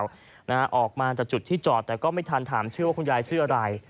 ออกมาจากจุดที่จอดแต่ก็ไม่ทันถามชื่อว่าคุณยายชื่ออะไร